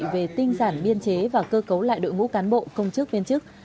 về tinh giản biên chế và cơ cấu lại đội ngũ cán bộ công chức viên chức